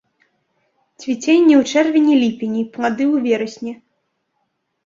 Цвіценне ў чэрвені-ліпені, плады ў верасні.